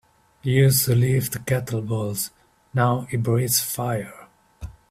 He used to lift kettlebells now he breathes fire.